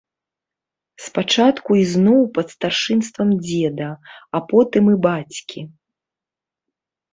Спачатку ізноў пад старшынствам дзеда, а потым і бацькі.